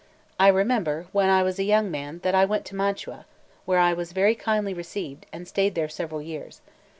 I remember, when I was a young man, that I went to Mantua, where I was very kindly received, and stayed there several years.